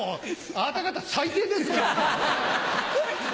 あなた方最低ですよ。